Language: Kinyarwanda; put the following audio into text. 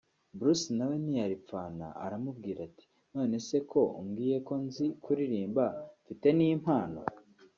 Bruce na we ntiyaripfana aramubwira ati “ None se ko umbwiye ko nzi kuririmba mfite n’impano